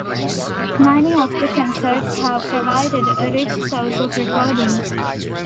Many of the concerts have provided a rich source of recordings.